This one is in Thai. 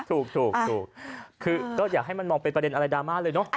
ถูกคือก็อยากให้มันมองเป็นประเด็นอะไรดราม่าเลยเนอะ